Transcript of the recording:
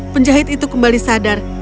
penjahit itu kembali sadar